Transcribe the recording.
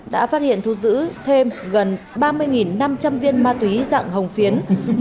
đã phát hiện thu giữ thêm gần ba mươi năm trăm linh viên ma túy dạng hồng phiến